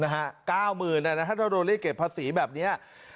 ๙หมื่นถ้าเราเรียกเก็บภาษีแบบนี้